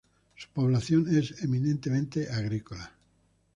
Su población es eminentemente agrícola.